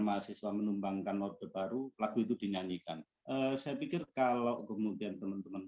mahasiswa menumbangkan orde baru lagu itu dinyanyikan saya pikir kalau kemudian teman teman